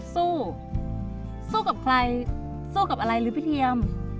สู้สู้กับใครสู้กับอะไรหรือพี่เทียม